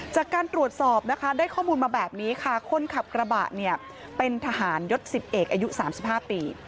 จากการตรวจสอบนะคะได้ข้อมูลมาแบบนี้ค่ะคนขับกระบะเนี่ยเป็นทหารยศ๑๐เอกอายุ๓๕ปี